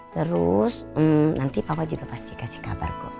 terus nanti papa juga pasti kasih kabarku